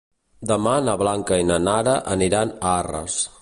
Demà na Blanca i na Nara aniran a Arres.